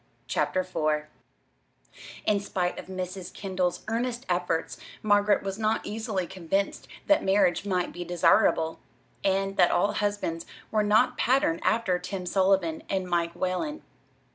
CHAPTER IV In spite of Mrs. Kendall's earnest efforts Margaret was not easily convinced that marriage might be desirable, and that all husbands were not patterned after Tim Sullivan and Mike Whalen.